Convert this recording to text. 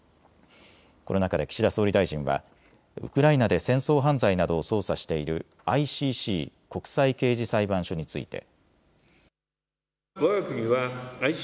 この中で岸田総理大臣はウクライナで戦争犯罪などを捜査しているＩＣＣ・国際刑事裁判所について。